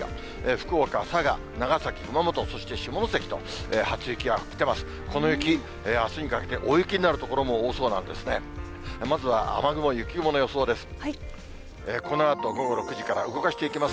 福岡、佐賀、長崎、熊本、そして下関と、初雪が降っています。